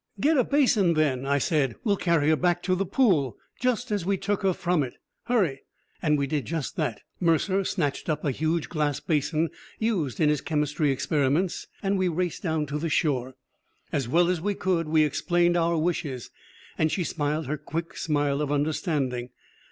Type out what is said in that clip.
"Get a basin, then!" I said. "We'll carry her back to the pool just as we took her from it. Hurry!" And we did just that. Mercer snatched up a huge glass basin used in his chemistry experiments, and we raced down to the shore. As well as we could we explained our wishes, and she smiled her quick smile of understanding.